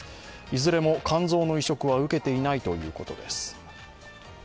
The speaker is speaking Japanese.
いずれも肝臓の移植は受けていないということです。